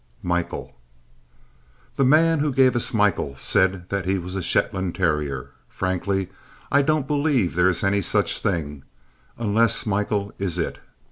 Michael The man who gave us Michael said that he was a Shetland terrier. Frankly, I don't believe there is any such thing; unless Michael is it.